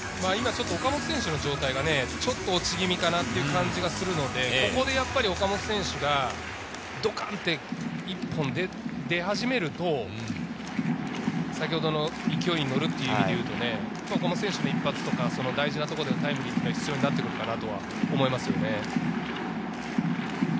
岡本選手の状態がちょっと落ち気味かなという感じがするので、ここで岡本選手がドカンと一本で始めると、先ほどの勢いに乗るという意味でいうと、大事なところでのタイムリーが必要になってくるのかなと思います。